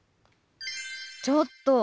ちょっと！